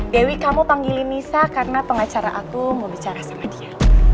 dewi kamu panggili nisa karena pengacara aku mau bicara sama dia